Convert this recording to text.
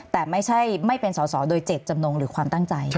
แต่ไม่ใช่ไม่เป็นสอสอโดยเจ็ดจำนงหรือความตั้งใจ